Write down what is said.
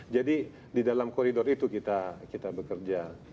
jadi di dalam koridor itu kita bekerja